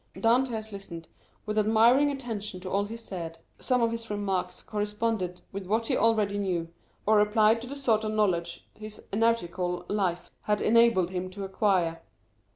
Dantès listened with admiring attention to all he said; some of his remarks corresponded with what he already knew, or applied to the sort of knowledge his nautical life had enabled him to acquire.